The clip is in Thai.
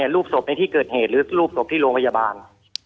รูปศพในที่เกิดเหตุหรือรูปศพที่โรงพยาบาล